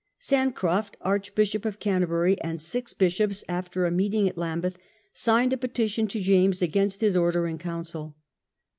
Bancroft, Archbishop of Canterbury, and six bishops, after a meeting at I^mbeth, signed a petition to James against his order in council.